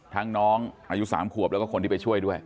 น้องอายุ๓ขวบแล้วก็คนที่ไปช่วยด้วย